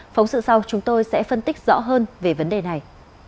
phóng sự sau chúng tôi sẽ phân tích rõ hơn về vấn đề này